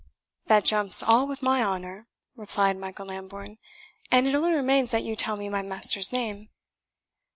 "That jumps all with my humour," replied Michael Lambourne; "and it only remains that you tell me my master's name."